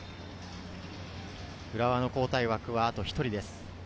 浦和の交代枠はあと１人です。